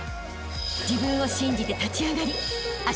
［自分を信じて立ち上がりあしたへ